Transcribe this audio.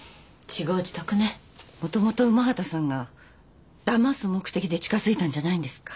もともと午端さんがだます目的で近づいたんじゃないんですか？